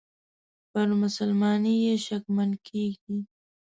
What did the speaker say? پر مسلماني یې شکمن کیږي.